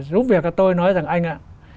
lúc đó tôi nói rằng anh ạ